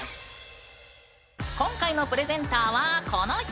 今回のプレゼンターはこの人！